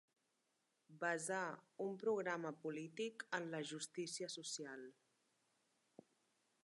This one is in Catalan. Basar un programa polític en la justícia social.